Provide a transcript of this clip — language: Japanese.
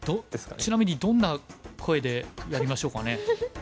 ちなみにどんな声でやりましょうかね？